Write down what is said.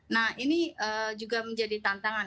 nah ini juga menjadi tantangan